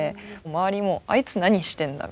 周りも「あいつ何してんだ？」